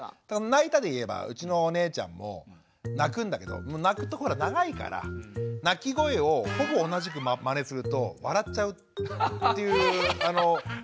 泣いたで言えばうちのお姉ちゃんも泣くんだけど泣くと長いから泣き声をほぼ同じくマネすると笑っちゃうっていうテクニックがありまして。